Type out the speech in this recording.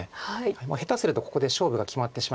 下手するとここで勝負が決まってしまいますから。